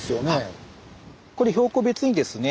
これ標高別にですね